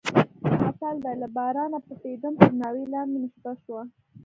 متل دی: له بارانه پټېدم تر ناوې لاندې مې شپه شوه.